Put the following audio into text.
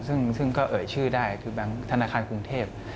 ซึ่งก็เอ่ยชื่อได้คือแบงค์ธนาคารกรุงเทพ